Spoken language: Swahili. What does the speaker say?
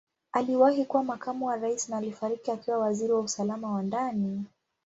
Aliwahi kuwa Makamu wa Rais na alifariki akiwa Waziri wa Usalama wa Ndani.